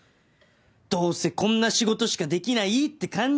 「どうせこんな仕事しかできないって感じ？」